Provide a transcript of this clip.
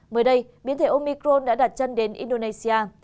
mới đây biến thể omicron đã đặt chân đến indonesia